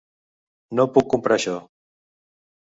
No puc comprar això.